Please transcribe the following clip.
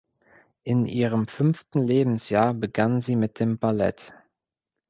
In ihrem fünften Lebensjahr begann sie mit dem Ballett.